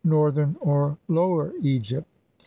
Northern or Lower Egypt.